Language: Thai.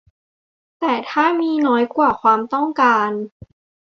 แต่ถ้ามีน้อยกว่าความต้องการ